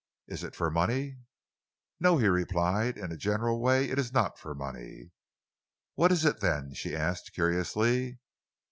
Is it for money?" "No," he replied, "in a general way it is not for money." "What is it, then?" she asked curiously.